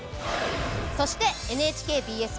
そしてＮＨＫＢＳ